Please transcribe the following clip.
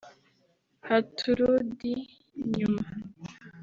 ‘Haturudi nyuma’